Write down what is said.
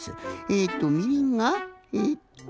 えとみりんがえと。